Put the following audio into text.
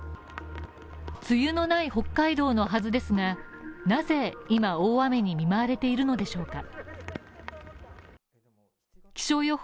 梅雨のない北海道のはずですがなぜ今、大雨に見舞われているのでしょうか。